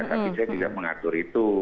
tapi saya tidak mengatur itu